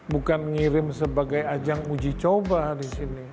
bukan ngirim sebagai ajang uji coba di sini